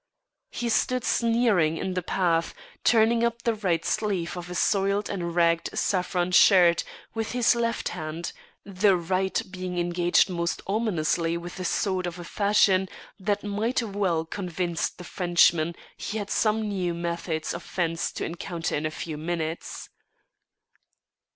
He stood sneering in the path, turning up the right sleeve of a soiled and ragged saffron shirt with his left hand, the right being engaged most ominously with a sword of a fashion that might well convince the Frenchman he had some new methods of fence to encounter in a few minutes.